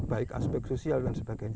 baik aspek sosial dan sebagainya